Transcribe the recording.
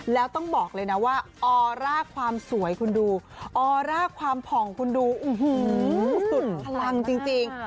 แล้วต้องบอกเลยนะว่าออร่าความสวยคุณดูออร่าความผ่องคุณดูสุดพลังจริง